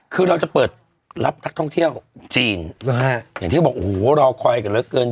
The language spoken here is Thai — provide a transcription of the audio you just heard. คือเราจะเปิดรับนักท่องเที่ยวจีนอย่างที่บอกโอ้โหรอคอยกันเหลือเกิน